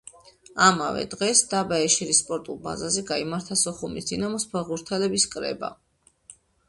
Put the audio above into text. ამავე დღეს, დაბა ეშერის სპორტულ ბაზაზე გაიმართა სოხუმის „დინამოს“ ფეხბურთელების კრება.